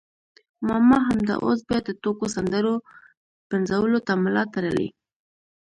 ماما همدا اوس بیا د ټوکو سندرو پنځولو ته ملا تړلې.